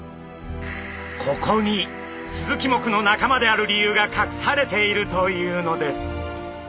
ここにスズキ目の仲間である理由がかくされているというのです。